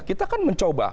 kita kan mencoba